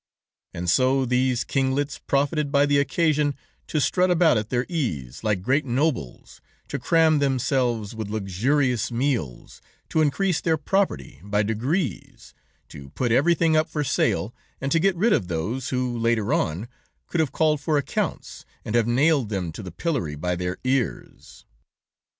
"And so these kinglets profited by the occasion to strut about at their ease like great nobles, to cram themselves with luxurious meals, to increase their property by degrees, to put everything up for sale, and to get rid of those who, later on, could have called for accounts, and have nailed them to the pillory by their ears.